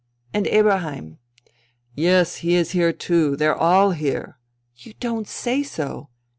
" And Eberheim ?" "Yes, he is here too ... they're all here." " You don't say so